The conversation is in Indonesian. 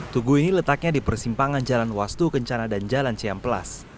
tugu ini letaknya di persimpangan jalan wastu kencana dan jalan ciamplas